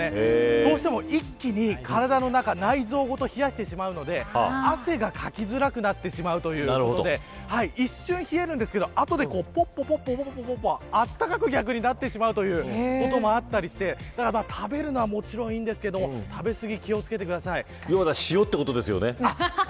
どうしても、一気に体の中内臓ごと冷やしてしまうので汗をかきづらくなってしまうということで一瞬冷えるんですけど、後で温かく、逆になってしまうということもあったりしてだから食べるのはもちろんいいんですけど要は塩ってことですよね。